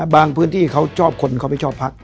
พื้นที่เขาชอบคนเขาไม่ชอบพัก